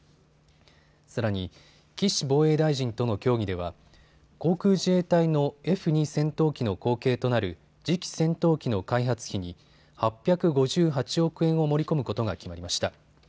さらに、岸防衛大臣との協議では航空自衛隊のＦ２戦闘機の後継となる次期戦闘機の開発費に８５８億円を盛り込むことが決まりました。